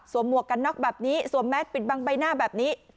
หมวกกันน็อกแบบนี้สวมแมสปิดบังใบหน้าแบบนี้